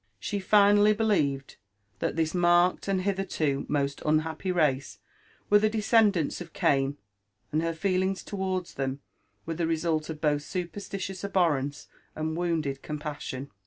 She firmly believed that this marked and hitherto most unhappy race were the descendants of Gain, and her feelings towards them were the result of both supersti tious abhorrence and wounded compassion.